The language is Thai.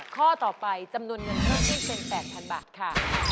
ข้อต่อไปจำนวนเงินเพิ่มขึ้นเป็น๘๐๐๐บาทค่ะ